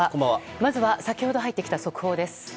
まずは先ほど入ってきた速報です。